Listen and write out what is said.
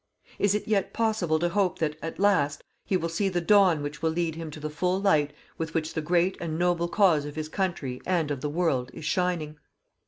Is it yet possible to hope that, at last, he will see the dawn which will lead him to the full light with which the great and noble cause of his country and of the world is shining?